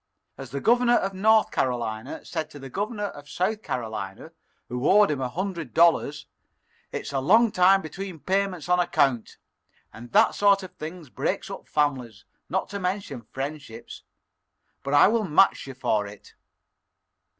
As the Governor of North Carolina said to the Governor of South Carolina, who owed him a hundred dollars, 'It's a long time between payments on account,' and that sort of thing breaks up families, not to mention friendships. But I will match you for it."